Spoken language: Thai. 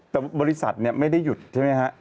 แต่บริษัทเนี่ยไม่ได้หยุดใช่ไหมครับ